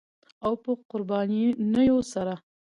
او په قربانیو سره